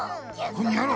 こんにゃろ！